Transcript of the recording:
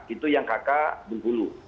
itu yang kakak bengkulu